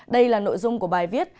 đây là nội dung của bài viết